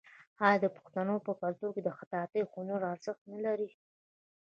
آیا د پښتنو په کلتور کې د خطاطۍ هنر ارزښت نلري؟